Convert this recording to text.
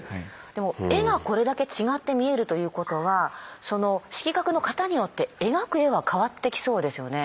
でも絵がこれだけ違って見えるということはその色覚の型によって描く絵は変わってきそうですよね。